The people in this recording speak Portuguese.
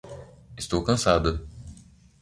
Estou cansada